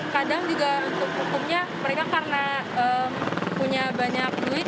kadang juga untuk hukumnya mereka karena punya banyak duit